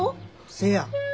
せや。